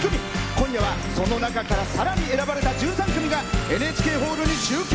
今夜はその中からさらに選ばれた１３組がＮＨＫホールに集結。